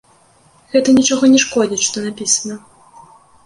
Гэта нічога не шкодзіць, што напісана.